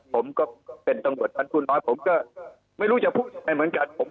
ผมก็เป็นตรงรวชภัณฑ์คุณน้อยผมก็ไม่รู้จะพูดอะไรเหมือนกัน